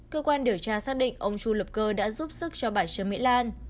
cơ quan điều tra xác định ông chu lập cơ đã giúp sức cho bãi trường mỹ lan